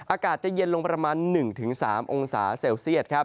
อากาศจะเย็นลงประมาณ๑๓องศาเซลเซียต